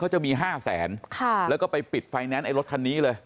เขาจะมี๕แสนแล้วก็ไปปิดไฟแนนซ์ไอ้รถคันนี้เลย